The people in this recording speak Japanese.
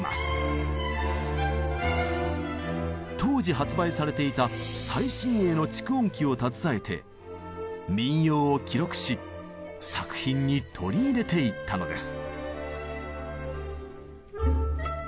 当時発売されていた最新鋭の蓄音機を携えて民謡を記録し作品に取り入れていったのです。